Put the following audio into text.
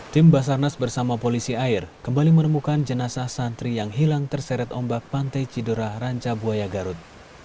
tim basarnas bersama polisi air kembali menemukan jenazah santri yang hilang terseret ombak pantai cidura ranca buaya garut